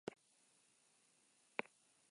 Izan ere, gaurko etapak bi aukera ematen ditu.